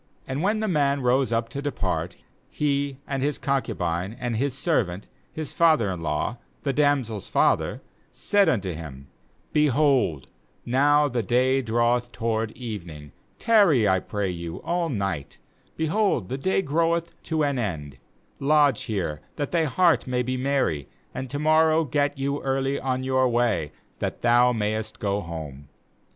9And when the man rose up to depart, he, and his^ concubine, and his servant, his father in law, the damsel's father, said unto him: 'Behold, now the day draweth toward evening; tar ry, I pray you, all night; behold, the day groweth to an end; lodge here, that thy heart may be merry; and to morrow get you early on your way, that thou mayest go home.'